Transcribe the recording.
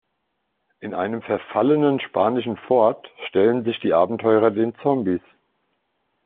In einem verfallenen spanischen Fort stellen sich die Abenteurer den Zombies.